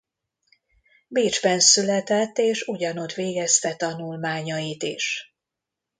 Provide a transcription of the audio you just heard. Bécsben született és ugyanott végezte tanulmányait is.